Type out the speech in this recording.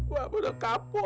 wah udah kapok